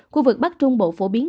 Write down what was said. khu vực bắc trung bộ phổ biến